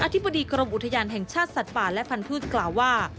ธิบดีกรมอุทยานแห่งชาติสัตว์ป่าและพันธุ์กล่าวว่า